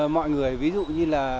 mọi người ví dụ như là